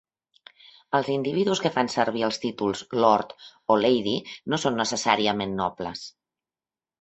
Els individus que fan servir els títols "Lord" o "Lady" no són necessàriament nobles.